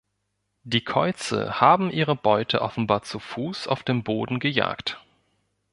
Die Käuze haben ihre Beute offenbar zu Fuß auf dem Boden gejagt.